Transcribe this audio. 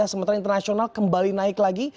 sementara internasional kembali naik lagi